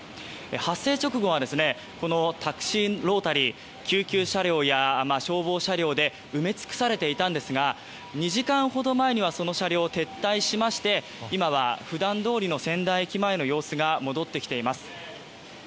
発生直後はタクシーロータリー救急車両や消防車両で埋め尽くされていたんですが２時間ほど前にはその車両は撤退しまして今は普段どおりの仙台駅前の様子が戻ってきています。